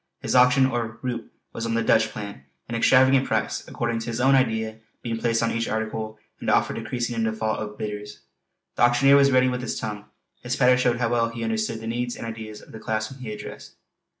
His auction or "roup" was on the "Dutch" plan; an extravagant price, according to his own idea, being placed on each article, and the offer decreasing in default of bidders. The auctioneer was ready with his tongue; his patter showed how well he understood the needs and ideas of the class whom he addressed.